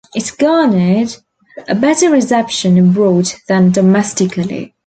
It garnered a better reception abroad than domestically.